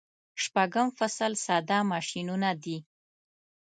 شپږم فصل ساده ماشینونه دي.